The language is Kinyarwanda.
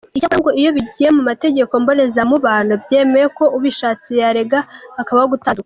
Icyakora ngo iyo bigiye mu mategeko mboneza mubano byemewe ko ubishatse yarega hakabaho gutandukana.